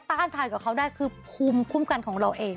ต้านทานกับเขาได้คือภูมิคุ้มกันของเราเอง